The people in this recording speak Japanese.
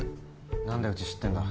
何でうち知ってんだ。